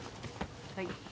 はい。